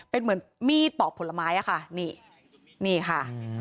เป็นเหมือนมีดปอกผลไม้นี่ค่ะ